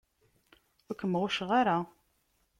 Ur kem-ɣucceɣ ara.